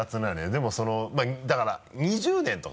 でもまぁだから２０年とか。